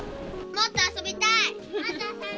もっと遊びたい。